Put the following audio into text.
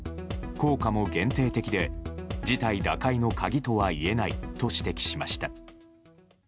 効果も限定的で事態打開の鍵とは言えないと指摘しました。